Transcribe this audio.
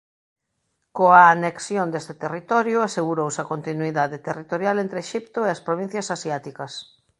Coa anexión deste territorio asegurouse a continuidade territorial entre Exipto e as provincias asiáticas.